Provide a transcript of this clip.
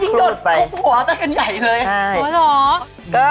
เขายิ่งโดนกลุ่มหัวไปกันใหญ่เลยว่าหรอ